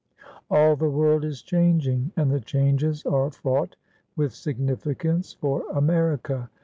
All the world is changing, and the changes are fraught with significance for America.